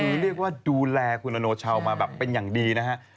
คือเรียกว่าดูแลคุณอโนชาวมาแบบเป็นอย่างดีนะฮะ